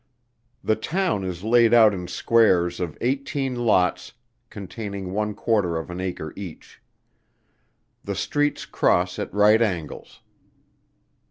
The town is laid out in squares of eighteen lots containing one quarter of an acre each. The streets cross at right angles.